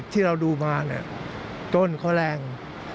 ที่เราดูมาเนี่ยต้นเขาแรง